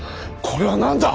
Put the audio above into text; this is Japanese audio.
これは何だ！